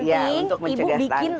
iya untuk mencegah stunting